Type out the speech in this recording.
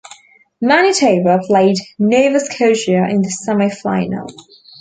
Manitoba played Nova Scotia in the semifinal.